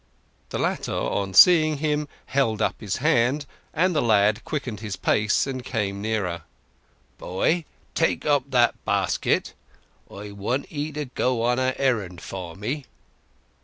The latter, on seeing him, held up his hand, and the lad quickened his pace and came near. "Boy, take up that basket! I want 'ee to go on an errand for me."